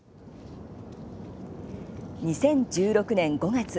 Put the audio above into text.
２０１６年５月。